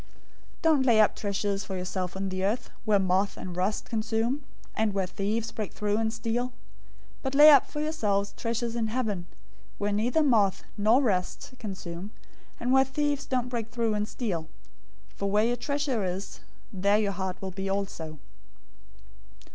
006:019 "Don't lay up treasures for yourselves on the earth, where moth and rust consume, and where thieves break through and steal; 006:020 but lay up for yourselves treasures in heaven, where neither moth nor rust consume, and where thieves don't break through and steal; 006:021 for where your treasure is, there your heart will be also.